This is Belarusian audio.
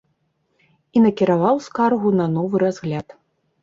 І накіраваў скаргу на новы разгляд.